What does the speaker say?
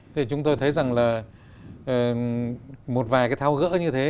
thì chúng tôi thấy rằng là một vài cái thao gỡ như thế